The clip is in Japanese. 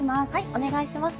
お願いします。